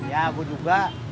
ya aku juga